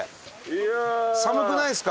いやあ！寒くないですか？